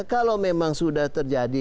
kalau memang sudah terjadi